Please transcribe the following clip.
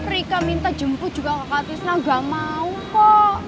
rika minta jemput juga kakak tisna gak mau kok